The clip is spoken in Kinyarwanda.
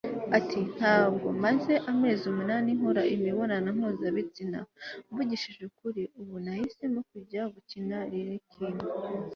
ati ntabwo maze amezi umunani nkora imibonano mpuzabitsina mvugishije ukuri, ubu nahisemo kujya gukina - lil 'kim